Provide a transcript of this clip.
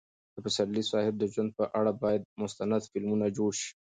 د پسرلي صاحب د ژوند په اړه باید مستند فلمونه جوړ شي.